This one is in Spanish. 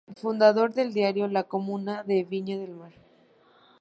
Fundador del diario "La Comuna" de Viña del Mar.